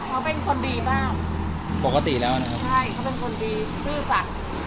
เขาเป็นคนดีมากปกติแล้วนะครับใช่เขาเป็นคนดีซื่อสัตว์